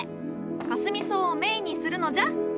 かすみ草をメインにするのじゃ！